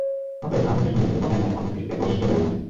অতএব, না বুঝে-শুনে নির্বোধের ন্যায় অন্য কিছুতে প্রবিষ্ট হয়ো না।